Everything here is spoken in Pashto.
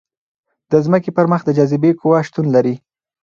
د ځمکې پر مخ د جاذبې قوه شتون لري.